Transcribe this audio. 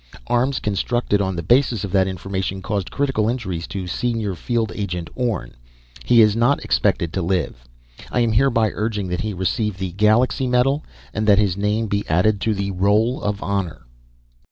Arms constructed on the basis of that information caused critical injuries to Senior Field Agent Orne. He is not expected to live. I am hereby urging that he receive the Galaxy Medal, and that his name be added to the Roll of Honor."